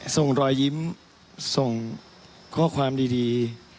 ส่งรอยยิ้มส่งข้อความดี